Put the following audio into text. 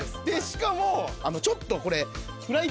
しかもちょっとこれ。